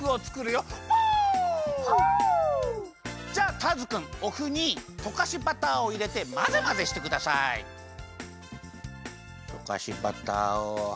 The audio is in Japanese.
フォ！じゃあターズくんおふにとかしバターをいれてまぜまぜしてください。とかしバターをはいりました！